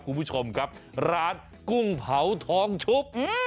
คุณผู้ชมครับร้านกุ้งเผาทองชุบ